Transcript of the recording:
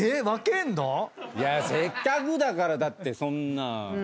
分けんの⁉せっかくだからだってそんな。